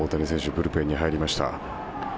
ブルペンに入りました。